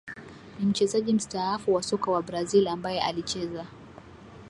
Ni mchezaji mstaafu wa soka wa Brazil ambaye alicheza